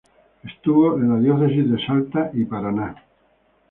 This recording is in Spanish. Estuvo en las diócesis de Salta y Paraná.